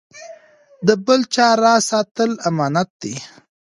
د بل چا راز ساتل امانت دی.